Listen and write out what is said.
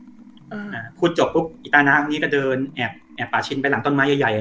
อ่าพูดจบปุ๊บอีตาน้ำนี้ก็เดินแอบแอบป่าชินไปหลังต้นไม้ใหญ่ใหญ่